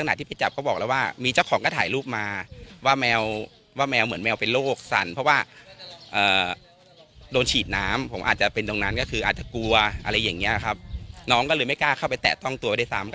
น้องก็เลยไม่กล้าเข้าไปแตะตรงตัวไว้ได้ตาม